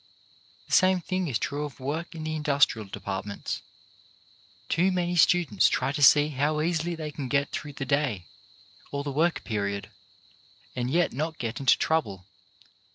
The same thing is true of work in the industrial departments. Too many students try to see how easily they can get through the day, or the work period, and yet not get into trouble.